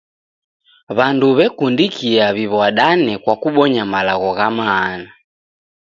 W'andu w'ekundikia w'iw'adane kwa kubonya malagho gha maana.